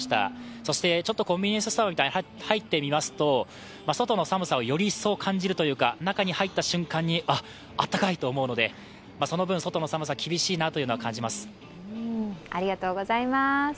そして、ちょっとコンビニエンスストアに入ってみますと外の寒さをより一層感じるというか中に入った瞬間にあったかいと思うので、その分、外の寒さ、厳しいなというのは感じます。